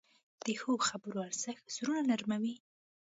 د ښو خبرو ارزښت زړونه نرموې.